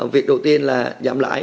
việc đầu tiên là giảm lãi